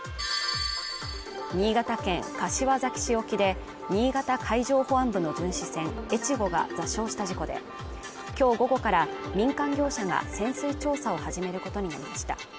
新潟県柏崎市沖で新潟海上保安部の巡視船「えちご」が座礁した事故で今日午後から民間業者が潜水調査を始めることになりました